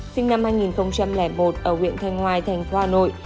sinh năm hai nghìn một ở huyện thanh ngoài thành phố hà nội